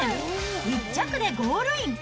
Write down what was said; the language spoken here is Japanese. １着でゴールイン。